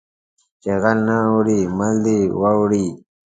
چې غل نه اوړي مال دې واوړي